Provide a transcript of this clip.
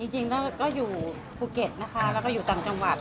จริงก็อยู่ภูเก็ตนะคะแล้วก็อยู่ต่างจังหวัด